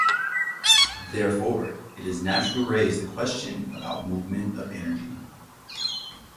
Therefore, it is natural to raise the question about movement of energy.